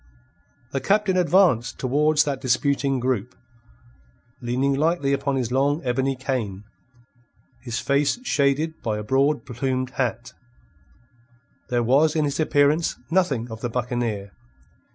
The Captain advanced towards that disputing group, leaning lightly upon his long ebony cane, his face shaded by a broad plumed hat. There was in his appearance nothing of the buccaneer.